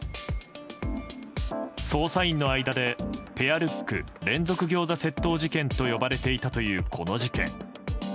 捜査員の間でペアルック連続ギョーザ窃盗事件と呼ばれていたという、この事件。